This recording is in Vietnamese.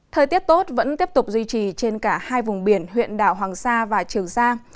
thời tiết tốt vẫn tiếp tục duy trì trên cả hai vùng biển huyện đảo hoàng sa và trường giang